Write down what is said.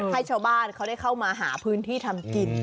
ให้ชาวบ้านเขาได้เข้ามาหาพื้นที่ทำกิน